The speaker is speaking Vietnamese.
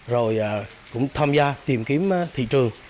rồi cũng tham gia tìm kiếm thị trường